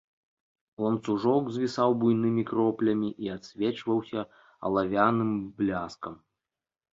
Ланцужок звісаў буйнымі кроплямі і адсвечваўся алавяным бляскам.